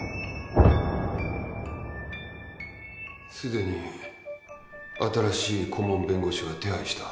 既に新しい顧問弁護士は手配した。